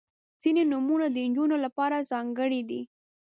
• ځینې نومونه د نجونو لپاره ځانګړي دي.